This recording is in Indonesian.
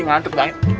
ini ngantuk banget